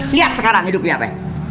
lihat sekarang hidupnya apa ya